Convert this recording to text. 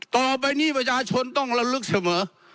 ต่อไปนี้ประชาชนต้องระลึกเสมอ